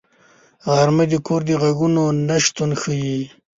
غرمه د کور د غږونو نه شتون ښيي